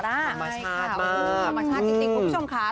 ธรรมชาติมากธรรมชาติจริงคุณผู้ชมค่ะ